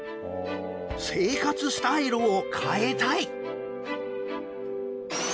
生活スタイルを変えたい！